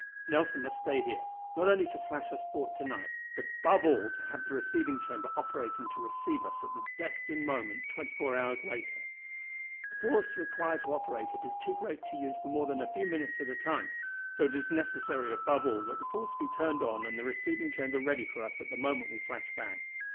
"Nelson must stay here, not only to flash us forth to night, but above all to have the receiving chamber operating to receive us at the destined moment twenty four hours later. The force required to operate it is too great to use for more than a few minutes at a time, so it is necessary above all that that force be turned on and the receiving chamber ready for us at the moment we flash back.